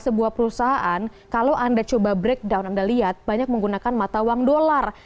sebuah perusahaan kalau anda coba breakdown anda lihat banyak menggunakan mata uang dolar